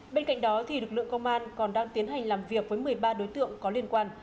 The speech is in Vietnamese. bên cạnh đó lực lượng công an còn đang tiến hành làm việc với một mươi ba đối tượng có liên quan